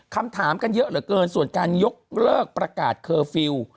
คำถามกันเยอะเหลือเกินส่วนการยกเลิกประกาศเคอร์ฟิลล์